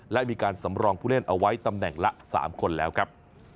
และมีการสำรองผู้เล่นเอาไว้ตำแหน่งละ๓คนแล้วครับ